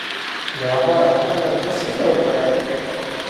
ヤバい、頭おかしいだろこれ